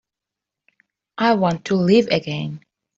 I want to live again.